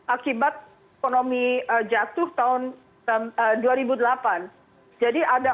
akibat ekonomi jatuh tahun dua ribu delapan jadi ada